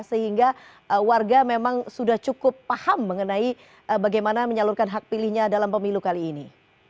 sehingga warga memang sudah cukup paham mengenai bagaimana menyalurkan hak pilihnya dalam pemilu kali ini